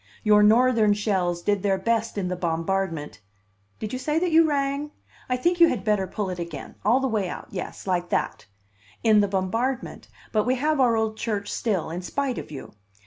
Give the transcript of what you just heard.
Your Northern shells did their best in the bombardment did you say that you rang? I think you had better pull it again; all the way out; yes, like that in the bombardment, but we have our old church still, in spite of you.